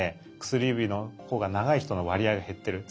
薬指のほうが長い人の割合が減ってる。